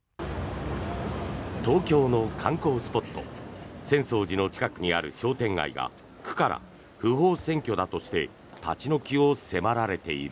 東京の観光スポット浅草寺の近くにある商店街が区から不法占拠だとして立ち退きを迫られている。